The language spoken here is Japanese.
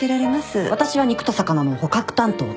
私は肉と魚の捕獲担当で。